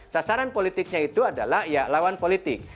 sasaran politiknya itu adalah ya lawan politik